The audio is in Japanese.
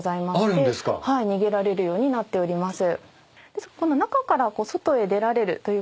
逃げられるようになっております。